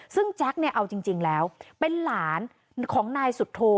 ซึ่งแจ็คเนี่ยเอาจริงแล้วเป็นหลานของนายสุโธ